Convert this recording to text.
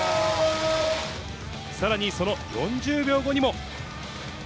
さらにその４０秒後にも。